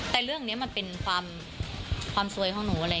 แต่เรื่องนี้มันเป็นความสวยของหนู